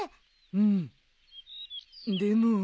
でも。